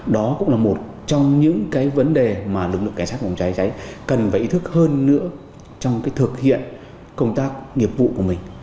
đó cũng là một trong những cái vấn đề mà lực lượng cảnh sát phòng cháy cháy cần phải ý thức hơn nữa trong cái thực hiện công tác nghiệp vụ của mình